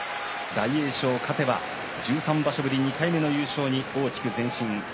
大栄翔、勝てば１３場所ぶり２回目の優勝に大きく前進。